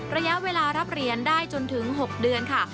ระยะเวลารับเหรียญได้จนถึง๖เดือนค่ะ